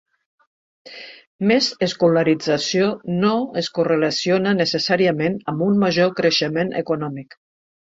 Més escolarització no es correlaciona necessàriament amb un major creixement econòmic.